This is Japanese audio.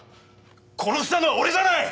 殺したのは俺じゃない！